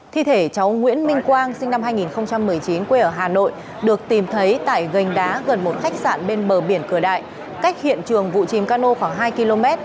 thi thể cháu nguyễn minh quang sinh năm hai nghìn một mươi chín quê ở hà nội được tìm thấy tại gành đá gần một khách sạn bên bờ biển cửa đại cách hiện trường vụ chìm cano khoảng hai km